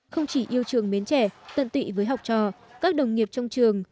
không chỉ yêu trường mến trẻ tận tụy với học trò các đồng nghiệp trong trường